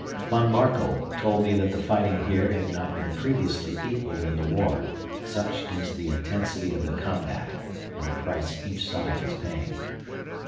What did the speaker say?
Von Markel told me that the fighting here has not been previously equalled in the war, such is the intensity of the combat and the price each side is paying.